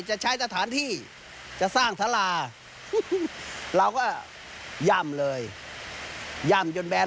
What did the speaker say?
จะใช้สถานที่จะสร้างสาราเราก็ย่ำเลยย่ำจนแบน